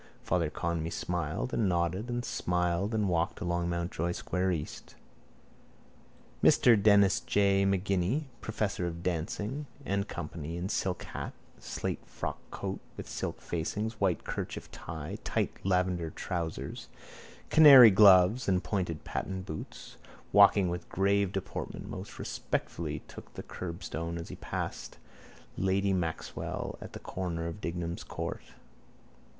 Father Conmee smiled and nodded and smiled and walked along Mountjoy square east. Mr Denis J Maginni, professor of dancing &c, in silk hat, slate frockcoat with silk facings, white kerchief tie, tight lavender trousers, canary gloves and pointed patent boots, walking with grave deportment most respectfully took the curbstone as he passed lady Maxwell at the corner of Dignam's court.